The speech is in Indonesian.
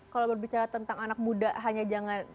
kalau berbicara tentang anak muda hanya jangan